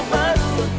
ketik baru gajah